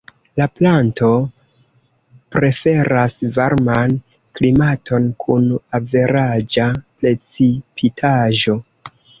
La planto preferas varman klimaton kun averaĝa precipitaĵo.